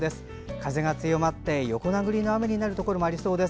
風が強まって、横殴りの雨になるところもありそうです。